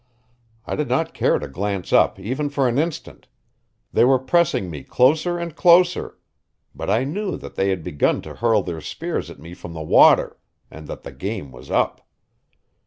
I did not care to glance up even for an instant; they were pressing me closer and closer; but I knew that they had begun to hurl their spears at me from the water, and that the game was up.